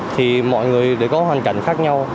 thì mọi người có hoàn cảnh khác nhau